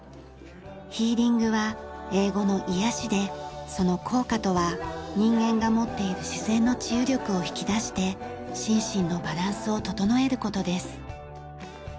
ヒーリングは英語の「癒やし」でその効果とは人間が持っている自然の治癒力を引き出して心身のバランスを整える事です。